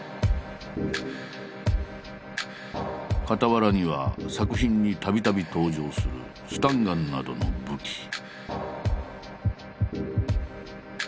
傍らには作品にたびたび登場するスタンガンなどの武器。